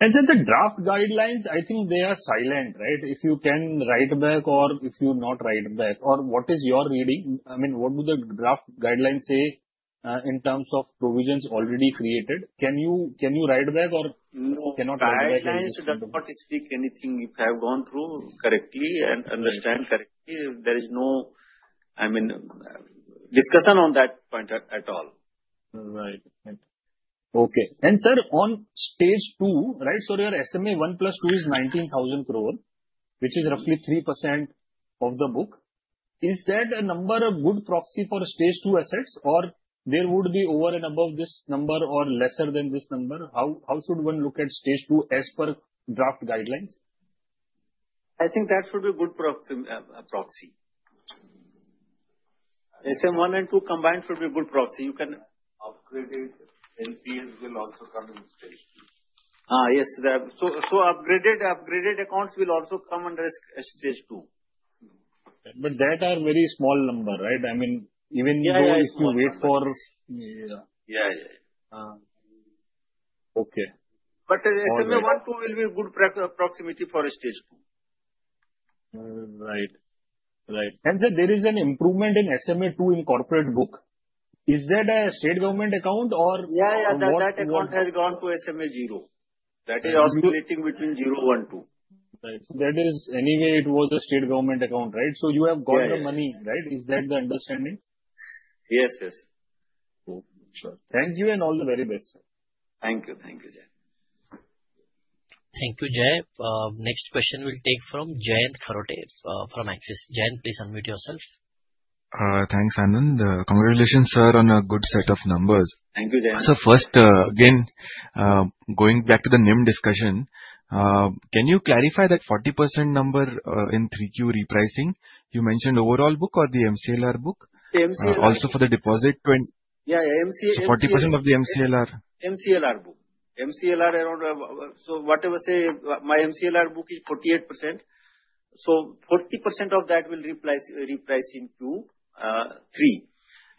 And sir, the draft guidelines, I think they are silent, right? If you can write-back or if you not write back, or what is your reading? I mean, what do the draft guidelines say in terms of provisions already created? Can you write-back or cannot write back? Guidelines do not speak anything. If I have gone through correctly and understand correctly, there is no, I mean, discussion on that point at all. Right. Okay. And sir, Stage 2, right, so your SMA-1 plus 2 is 19,000 crore, which is roughly 3% of the book. Is that a number, a good proxy Stage 2 assets, or there would be over and above this number or lesser than this number? How should one look Stage 2 as per draft guidelines? I think that should be a good proxy. SMA-1 and 2 combined should be a good proxy. You can. Upgraded LPS will also come in Stage 2. Yes. So upgraded accounts will also come under Stage 2. But that are very small number, right? I mean, even though if you wait for. Yeah, yeah, yeah. Okay. But SMA-1, SMA-2 will be a good proxy for Stage 2. Right. Right. And sir, there is an improvement in SMA-2 in corporate book. Is that a state government account or? Yeah, yeah. That account has gone to SMA-0. That is oscillating between 0, 1, 2. Right. So that is anyway, it was a state government account, right? So you have got the money, right? Is that the understanding? Yes, yes. Okay. Sure. Thank you and all the very best, sir. Thank you. Thank you, Jai. Thank you, Jai. Next question will take from Jayant Kharote from Axis. Jayant, please unmute yourself. Thanks, Anand. Congratulations, sir, on a good set of numbers. Thank you, Jayant. First, again, going back to the NIM discussion, can you clarify that 40% number in 3Q repricing? You mentioned overall book or the MCLR book? The MCLR. Also for the deposit? Yeah, MCLR. 40% of the MCLR? MCLR book. MCLR around, so whatever, say my MCLR book is 48%. So 40% of that will reprice in Q3.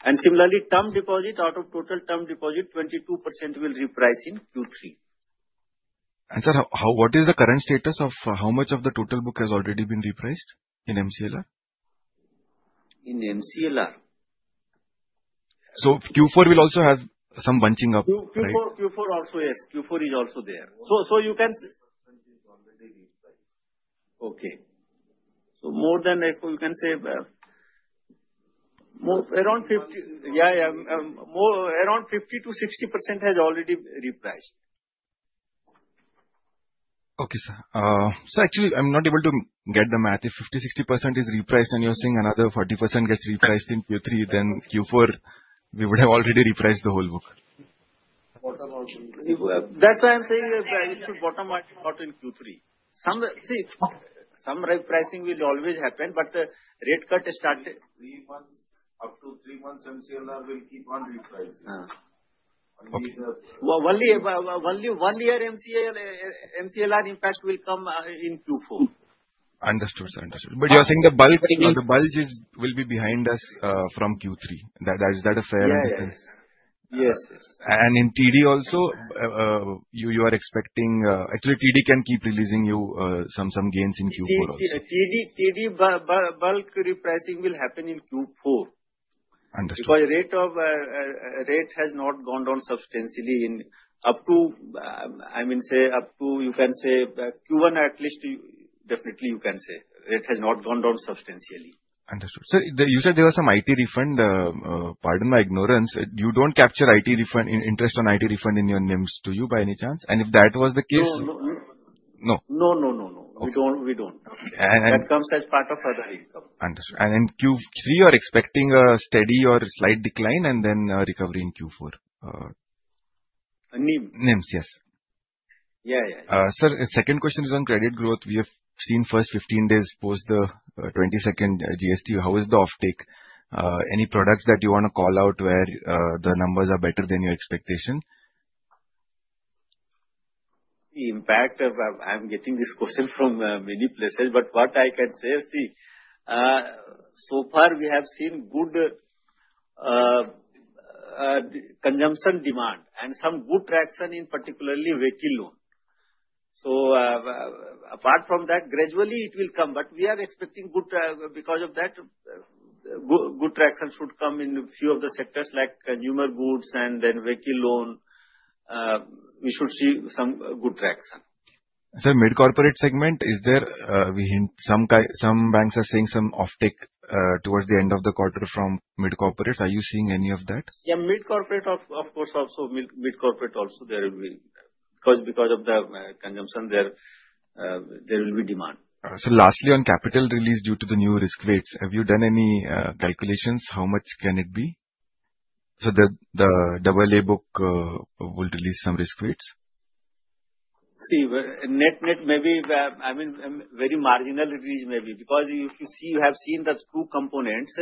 And similarly, term deposit out of total term deposit, 22% will reprice in Q3. Sir, what is the current status of how much of the total book has already been repriced in MCLR? In MCLR? Q4 will also have some bunching up? Q4 also, yes. Q4 is also there. So you can. Okay. More than you can say around 50%-60% has already repriced. Okay, sir, so actually, I'm not able to get the math. If 50%-60% is repriced and you're saying another 40% gets repriced in Q3, then Q4, we would have already repriced the whole book. That's why I'm saying it should bottom out in Q3. See, some repricing will always happen, but the rate cut started. Three months, up to three months, MCLR will keep on repricing. Only one year MCLR impact will come in Q4. Understood, sir. Understood. But you're saying the bulge will be behind us from Q3. Is that a fair understanding? Yes. Yes, yes. In TD also, you are expecting actually, TD can keep releasing you some gains in Q4 also. TD bulk repricing will happen in Q4. Understood. Because rate has not gone down substantially in up to, I mean, say up to you can say Q1 at least, definitely you can say rate has not gone down substantially. Understood. Sir, you said there was some IT refund. Pardon my ignorance. You don't capture IT refund interest on IT refund in your NIM, do you by any chance? And if that was the case. No, no, no, no, no. We don't. That comes as part of other income. Understood. And in Q3, you are expecting a steady or slight decline and then recovery in Q4? NIM. NIMs, yes. Yeah, yeah, yeah. Sir, second question is on credit growth. We have seen first 15 days post the 22nd GST. How is the offtake? Any products that you want to call out where the numbers are better than your expectation? The impact of. I'm getting this question from many places, but what I can say, see, so far we have seen good consumption demand and some good traction in particularly vehicle loan. So apart from that, gradually it will come. But we are expecting good because of that, good traction should come in a few of the sectors like consumer goods and then vehicle loan. We should see some good traction. Sir, mid-corporate segment, is there some banks are seeing some offtake towards the end of the quarter from mid-corporates? Are you seeing any of that? Yeah, mid-corporate, of course, also mid-corporate also there will be because of the consumption there. There will be demand. So lastly, on capital release due to the new risk weights, have you done any calculations? How much can it be? So the double A book will release some risk weights? See, net maybe. I mean, very marginal release maybe. Because if you see, you have seen that two components.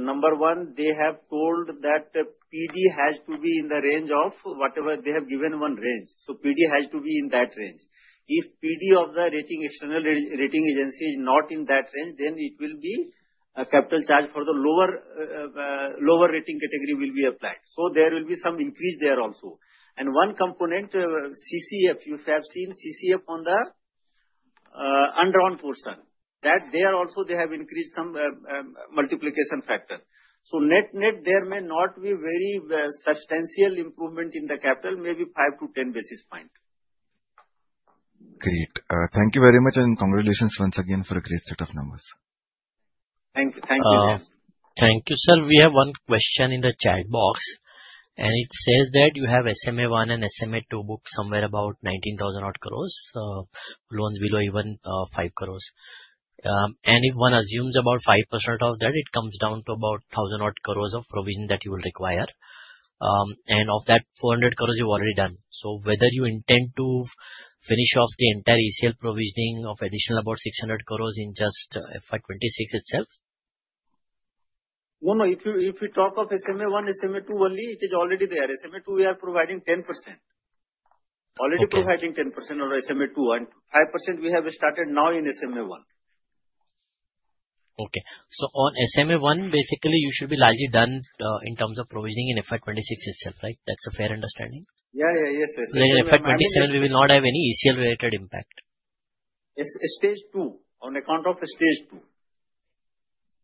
Number one, they have told that PD has to be in the range of whatever they have given one range. So PD has to be in that range. If PD of the rating external rating agency is not in that range, then it will be a capital charge for the lower rating category will be applied. So there will be some increase there also. And one component, CCF. You have seen CCF on the undrawn portion. That there also, they have increased some multiplication factor. So net there may not be very substantial improvement in the capital, maybe five-10 basis point. Great. Thank you very much and congratulations once again for a great set of numbers. Thank you. Thank you, sir. Thank you, sir. We have one question in the chat box. And it says that you have SMA-1 and SMA-2 book somewhere about 19,000 crores loans below even 5 crores. And if one assumes about 5% of that, it comes down to about 1,000 crores of provision that you will require. And of that 400 crores, you've already done. So whether you intend to finish off the entire ECL provisioning of additional about 600 crores in just FY26 itself? No, no. If you talk of SMA-1, SMA-2 only, it is already there. SMA-2, we are providing 10%. Already providing 10% on SMA-2. And 5% we have started now in SMA-1. Okay, so on SMA-1, basically, you should be largely done in terms of provisioning in FY26 itself, right? That's a fair understanding? Yeah, yeah, yes, yes. Like in FY27, we will not have any ECL-related impact? Stage 2. on account of Stage 2.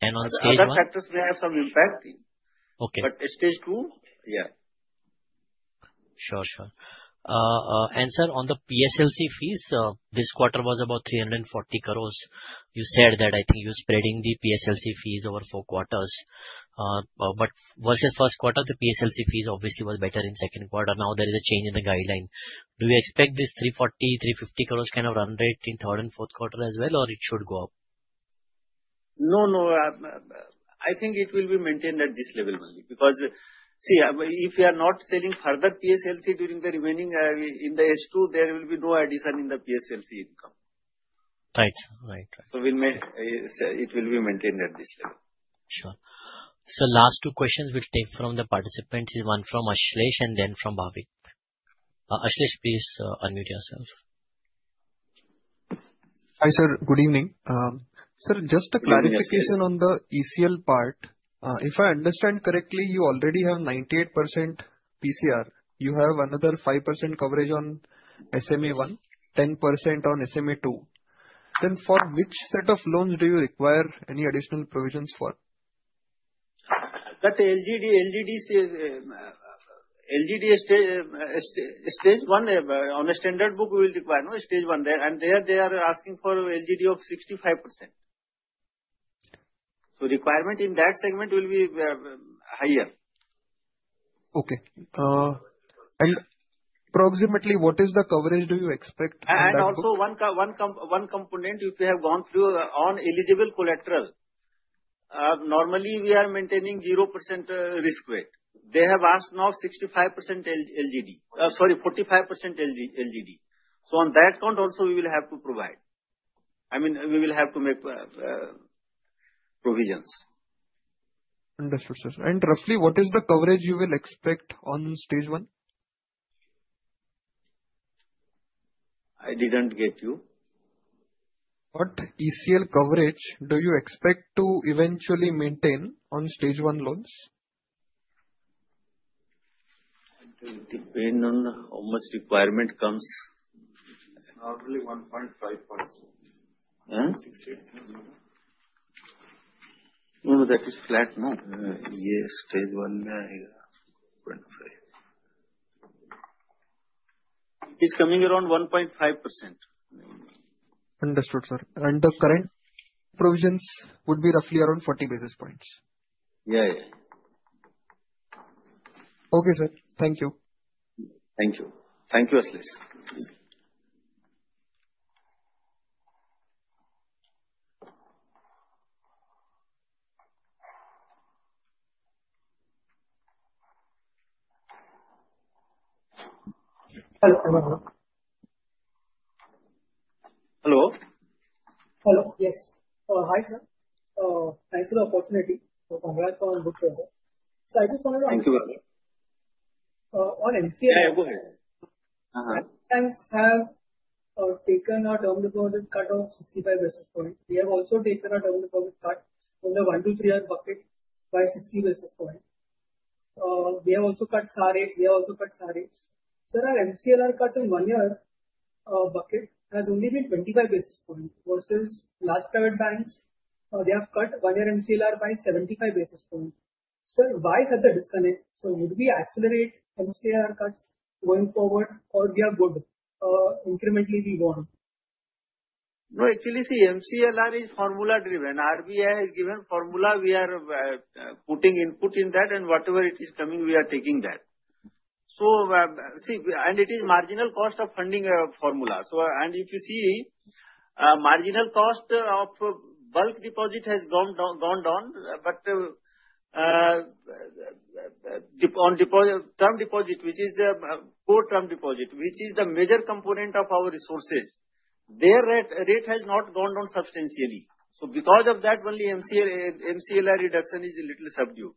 On Stage 1? Other factors may have some impact. Stage 2, yeah. Sure, sure. And sir, on the PSLC fees, this quarter was about 340 crores. You said that I think you're spreading the PSLC fees over four quarters. But versus first quarter, the PSLC fees obviously were better in second quarter. Now there is a change in the guideline. Do you expect this 340-350 crores kind of run rate in third and fourth quarter as well, or it should go up? No, no. I think it will be maintained at this level only. Because see, if you are not selling further PSLC during the remaining in the S2, there will be no addition in the PSLC income. Right, right, right. So it will be maintained at this level. Sure. So last two questions we'll take from the participants is one from Ashlesh and then from Bhavik. Ashlesh, please unmute yourself. Hi sir, good evening. Sir, just a clarification on the ECL part. If I understand correctly, you already have 98% PCR. You have another 5% coverage on SMA-1, 10% on SMA-2. Then for which set of loans do you require any additional provisions for? That LGD, Stage 1 on a standard book will Stage 1 there. And there they are asking for LGD of 65%. So requirement in that segment will be higher. Okay. And approximately what is the coverage do you expect? And also, one component, if you have gone through on eligible collateral, normally we are maintaining 0% risk weight. They have asked now 65% LGD. Sorry, 45% LGD. So on that count also, we will have to provide. I mean, we will have to make provisions. Understood, sir. And roughly, what is the coverage you will expect on Stage 1? I didn't get you. What ECL coverage do you expect to eventually maintain on Stage 1 loans? It depends on how much requirement comes. It's normally 1.5%. Huh? 60%. No, no, that is flat, no? Yeah, Stage 1 may have 1.5. It's coming around 1.5%. Understood, sir, and the current provisions would be roughly around 40 basis points. Yeah, yeah. Okay, sir. Thank you. Thank you. Thank you, Ashlesh. Hello. Hello. Yes. Hi, sir. Nice to know of the opportunity. Congrats on the book. So I just wanted to. Thank you, brother. On MCLR. Yeah, go ahead. Banks have taken our term deposit cut of 65 basis point. We have also taken our term deposit cut from the one to three-year bucket by 60 basis point. We have also cut CASA rate. Sir, our MCLR cut in one-year bucket has only been 25 basis points versus large private banks. They have cut one-year MCLR by 75 basis point. Sir, why such a disconnect? So would we accelerate MCLR cuts going forward, or we are good incrementally be gone? No, actually, see, MCLR is formula-driven. RBI is given formula. We are putting input in that, and whatever it is coming, we are taking that. So see, and it is marginal cost of funding formula. So and if you see, marginal cost of bulk deposit has gone down, but on term deposit, which is the core term deposit, which is the major component of our resources, their rate has not gone down substantially. So because of that, only MCLR reduction is a little subdued.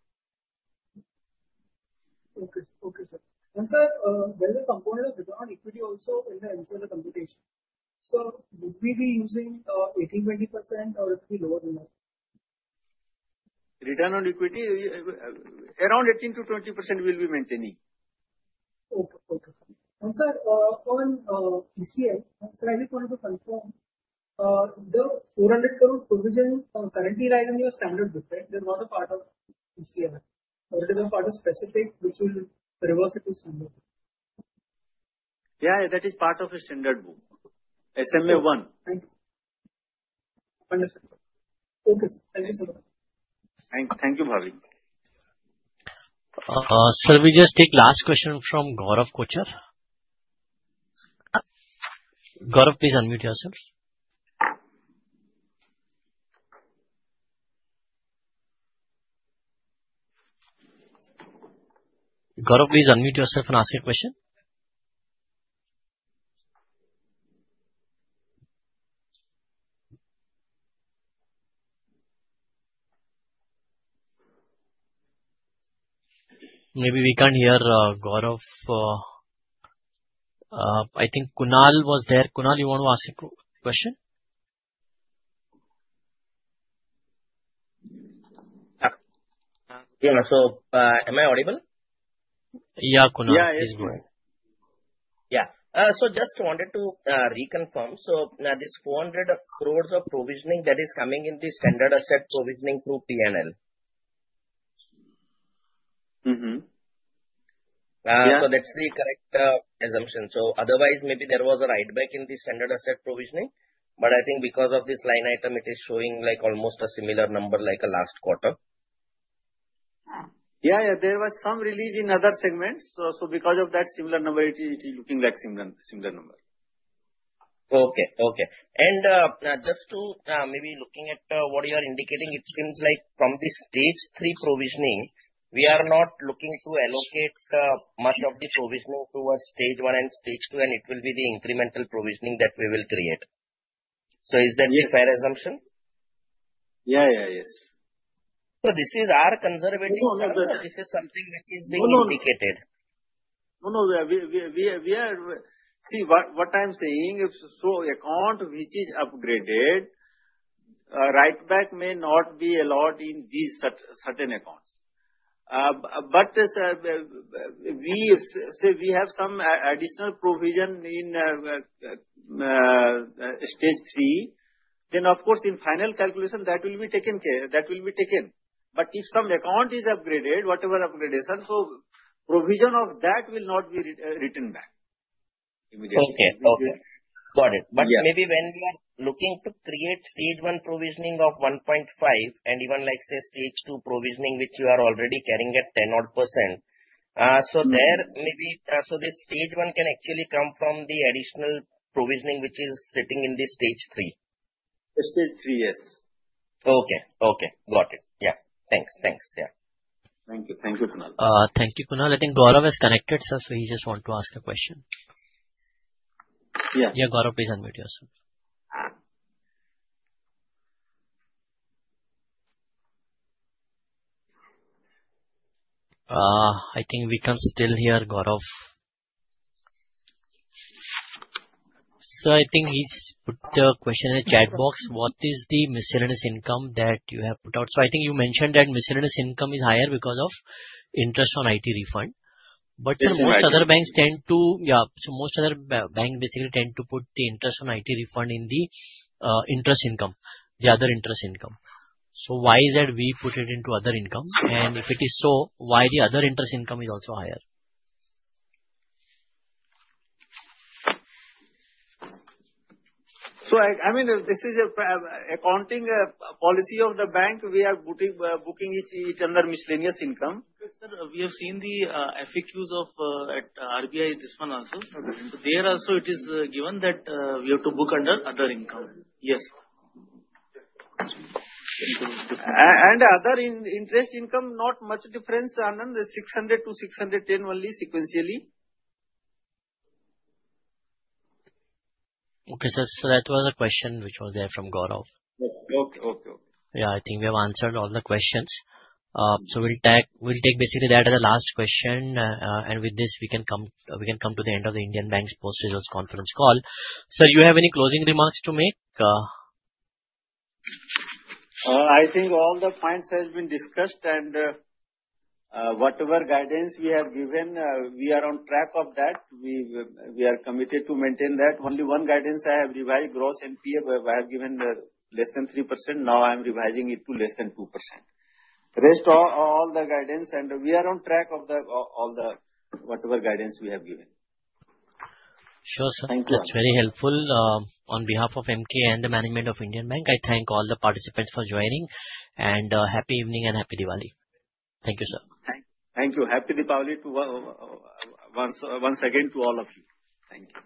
Okay, okay, sir. And sir, when the component of return on equity also in the MCLR computation, sir, would we be using 18%-20%, or it will be lower than that? Return on equity, around 18%-20% we will be maintaining. Okay, okay. And sir, on ECL, sir, I just wanted to confirm the 400 crore provision currently lies in your standard book, right? They're not a part of ECL. They're a part of specific which will reverse it to standard. Yeah, that is part of a standard book. SMA-1. Thank you. Understood, sir. Okay, sir. Thank you, sir. Thank you, Bhavik. Sir, we just take last question from Gaurav Kochar. Gaurav, please unmute yourself. Gaurav, please unmute yourself and ask a question. Maybe we can't hear Gaurav. I think Kunal was there. Kunal, you want to ask a question? Yeah, so am I audible? Yeah, Kunal. Yeah, it's good. Yeah. So just wanted to reconfirm. So now this 400 crores of provisioning that is coming in the standard asset provisioning through P&L. So that's the correct assumption. So otherwise, maybe there was a write-back in the standard asset provisioning. But I think because of this line item, it is showing like almost a similar number like last quarter. Yeah, yeah, there was some release in other segments. So because of that similar number, it is looking like similar number. Okay, okay. And just to maybe looking at what you are indicating, it seems like from Stage 2 provisioning, we are not looking to allocate much of the provisioning Stage 1 stage 2, and it will be the incremental provisioning that we will create. So is that a fair assumption? Yeah, yeah, yes. So this is our conservative assumption. This is something which is being indicated. No, no, we're seeing what I'm saying. So account which is upgraded, write-back may not be allowed in these certain accounts. But we say we have some additional provision Stage 3. then, of course, in final calculation, that will be taken. That will be taken. But if some account is upgraded, whatever upgradation, so provision of that will not be written back immediately. Okay, okay. Got it. But maybe when we are looking to Stage 1 provisioning of 1.5 and even like Stage 2 provisioning, which you are already carrying at 10-odd%. So there may be so Stage 1 can actually come from the additional provisioning which is sitting in the Stage 3. Stage 3, yes. Okay, okay. Got it. Yeah. Thanks, thanks. Yeah. Thank you. Thank you, Kunal. Thank you, Kunal. I think Gaurav has connected, sir. So he just wanted to ask a question. Yeah. Yeah, Gaurav, please unmute yourself. I think we can't still hear Gaurav. So I think he's put the question in the chat box. What is the miscellaneous income that you have put out? So I think you mentioned that miscellaneous income is higher because of interest on IT refund. But sir, most other banks basically tend to put the interest on IT refund in the interest income, the other interest income. So why is that we put it into other income? And if it is so, why the other interest income is also higher? So I mean, this is accounting policy of the bank. We are booking as other miscellaneous income. Sir, we have seen the FAQs of RBI, this one also. So there also, it is given that we have to book under other income. Yes. And other interest income, not much difference, Anand, 600-610 only sequentially. Okay, sir. So that was the question which was there from Gaurav. Okay, okay, okay. Yeah, I think we have answered all the questions. So we'll take basically that as a last question. And with this, we can come to the end of the Indian Bank's post-results conference call. Sir, do you have any closing remarks to make? I think all the points have been discussed. And whatever guidance we have given, we are on track of that. We are committed to maintain that. Only one guidance I have revised, Gross NPA, where I have given less than 3%. Now I'm revising it to less than 2%. Rest all the guidance. And we are on track of all the whatever guidance we have given. Sure, sir. Thank you. That's very helpful. On behalf of Emkay and the management of Indian Bank, I thank all the participants for joining, and happy evening and happy Diwali. Thank you, sir. Thank you. Happy Diwali once again to all of you. Thank you.